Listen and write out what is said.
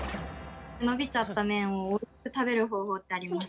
のびちゃった麺をおいしく食べる方法ってありますか？